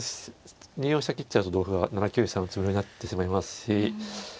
２四飛車切っちゃうと同歩が７九飛車の詰めろになってしまいますし。